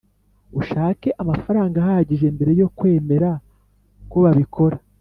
Ushake amafaranga ahagije mbere yo kwemera ko babikora